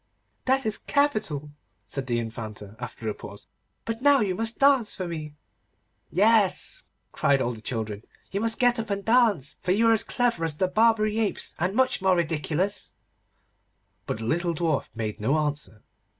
'That is capital,' said the Infanta, after a pause; 'but now you must dance for me.' 'Yes,' cried all the children, 'you must get up and dance, for you are as clever as the Barbary apes, and much more ridiculous.' But the little Dwarf made no answer.